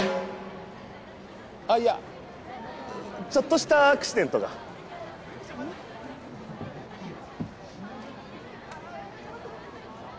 あっいやちょっとしたアクシデントがうん？